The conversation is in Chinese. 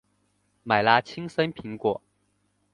买了青森苹果